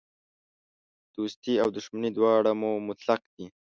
دوستي او دښمني دواړه مو مطلق دي.